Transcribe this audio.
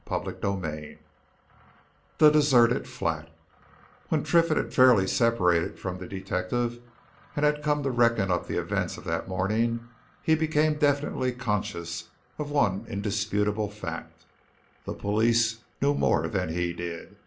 CHAPTER XXI THE DESERTED FLAT When Triffitt had fairly separated from the detective and had come to reckon up the events of that morning he became definitely conscious of one indisputable fact. The police knew more than he did.